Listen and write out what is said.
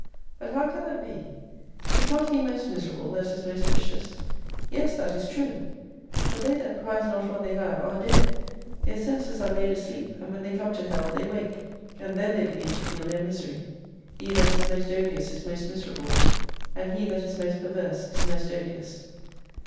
But how can that be ? Is not he most miserable that is most vicious ? Yes, that is true. But they that prize not what they have are dead ; their senses are laid asleep, and when they come to Hell they wake : And then they begin to feel their misery. He that is most odious is most miserable, and he that is most perverse is most odious.